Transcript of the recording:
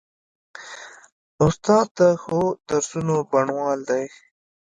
استاد د ښو درسونو بڼوال دی.